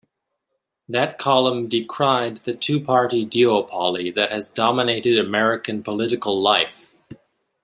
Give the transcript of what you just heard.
That column decried "the two-party duopoly that has dominated American political life".